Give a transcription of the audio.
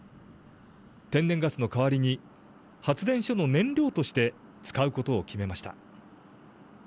天然ガスの代わりに発電所の燃料として使うことを決めました。